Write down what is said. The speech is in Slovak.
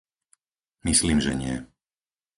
Myslím, že nie.